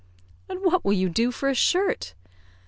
"And what will you do for a shirt?"